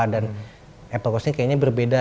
dan apple coast ini kayaknya berbeda